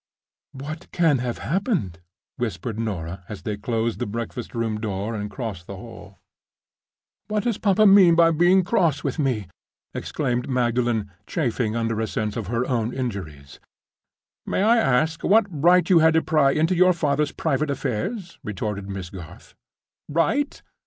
"What can have happened?" whispered Norah, as they closed the breakfast room door and crossed the hall. "What does papa mean by being cross with Me?" exclaimed Magdalen, chafing under a sense of her own injuries. "May I ask—what right you had to pry into your father's private affairs?" retorted Miss Garth. "Right?"